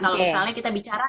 kalau misalnya kita bicara